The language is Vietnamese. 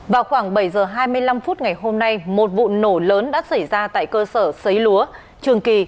vào khoảng bảy h hai mươi năm phút ngày hôm nay một vụ nổ lớn đã xảy ra tại cơ sở xấy lúa trường kỳ